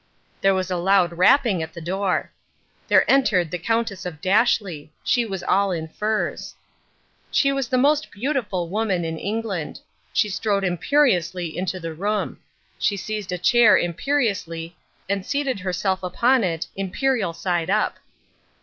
There was a loud rapping at the door. There entered the Countess of Dashleigh. She was all in furs. She was the most beautiful woman in England. She strode imperiously into the room. She seized a chair imperiously and seated herself on it, imperial side up.